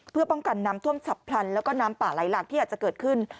เพื่อป้องกันน้ำท่วมฉับพลันแล้วก็น้ำป่าไหลหลักที่อาจจะเกิดขึ้น